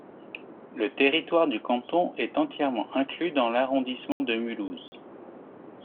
Le territoire du canton est entièrement inclus dans l'arrondissement de Mulhouse.